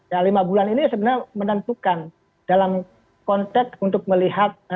ya lima bulan ini sebenarnya menentukan dalam konteks untuk melihat